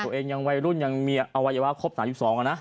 ตัวเองยังวัยรุ่นยังมีอวัยวะครบ๓๒อะนะ